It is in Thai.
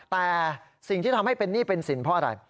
แต่สิ่งที่ทำให้เป็นหนี้เป็นสินเพราะอะไร